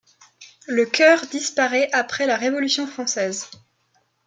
Le chœur disparait après la Révolution française.